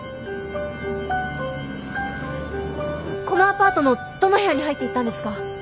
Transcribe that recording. このアパートのどの部屋に入っていったんですか？